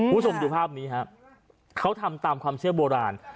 คุณผู้ชมดูภาพนี้ฮะเขาทำตามความเชื่อโบราณ